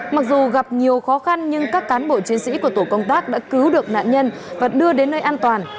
mặc dù gặp nhiều khó khăn nhưng các cán bộ chiến sĩ của tổ công tác đã cứu được nạn nhân và đưa đến nơi an toàn